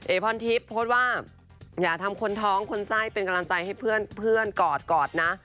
พรทิพย์โพสต์ว่าอย่าทำคนท้องคนไส้เป็นกำลังใจให้เพื่อนกอดกอดนะ